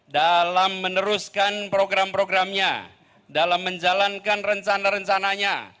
dalam meneruskan program programnya dalam menjalankan rencana rencananya